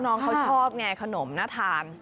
น้องเขาชอบไงขนมน่าทาน